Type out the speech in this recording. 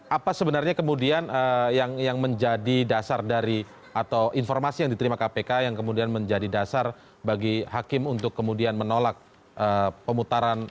apa sebenarnya kemudian yang menjadi dasar dari atau informasi yang diterima kpk yang kemudian menjadi dasar bagi hakim untuk kemudian menolak pemutaran